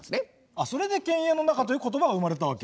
あっそれで「犬猿の仲」という言葉が生まれたわけ？